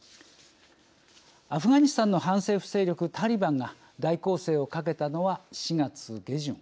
アフガニスタンの反政府勢力タリバンが大攻勢をかけたのは４月下旬。